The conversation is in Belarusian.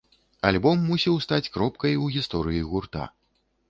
Альбом мусіў стаць кропкай у гісторыі гурта.